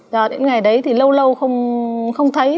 chờ đến ngày đấy thì lâu lâu không thấy